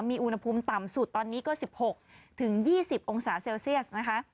มีอุณหภูมิต่ำสุดตอนนี้ก็๑๖๒๐องศาเซลเซียสนะคะ